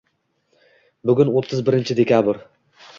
Bugun o‘ttiz birinchi dekabr.